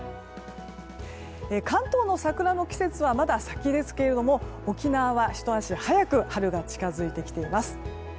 関東の桜の季節はまだ先ですけれども沖縄は、ひと足早く春が近づいてきています。